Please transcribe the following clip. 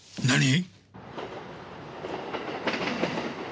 何！？